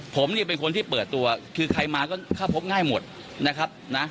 ผมเนี่ยเป็นคนที่เปิดตัวคือใครมาก็เข้าพบง่ายหมดนะครับนะ